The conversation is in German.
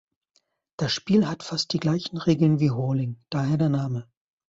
Das Spiel hat fast die gleichen Regeln wie Hurling, daher der Name.